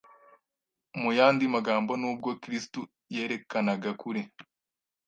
Mu yandi magambo nubwo kristu yerekanaga kuri